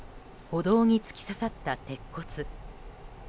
歩道に突き刺さった鉄骨。